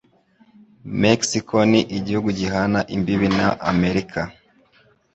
Mexico ni igihugu gihana imbibi na Amerika.